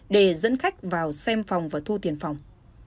để dẫn khách vào xem phòng và thu tiền phòng